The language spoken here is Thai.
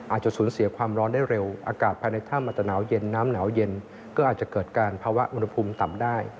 อาจจะสูญเสียความร้อนได้เร็วอากาศภายในถ้ำอาจจะหนาวเย็นน้ำหนาวเย็นก็อาจจะเกิดการภาวะอุณหภูมิต่ำได้